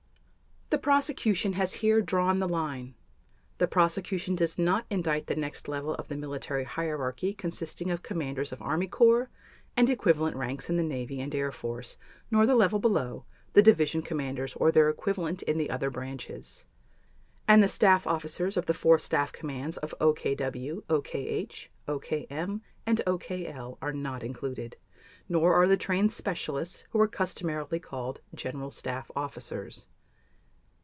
The Prosecution has here drawn the line. The Prosecution does not indict the next level of the military hierarchy consisting of commanders of army corps, and equivalent ranks in the Navy and Air Force, nor the level below, the division commanders or their equivalent in the other branches. And the staff officers of the four staff commands of OKW, OKH, OKM, and OKL are not included, nor are the trained specialists who were customarily called General Staff officers.